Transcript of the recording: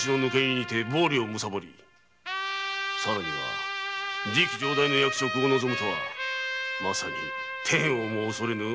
更には次期城代の役職を望むとはまさに天をも恐れぬ非道の輩め！